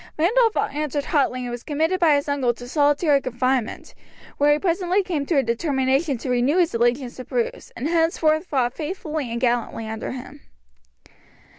Randolph answered hotly and was committed by his uncle to solitary confinement, where he presently came to a determination to renew his allegiance to Bruce, and henceforward fought faithfully and gallantly under him.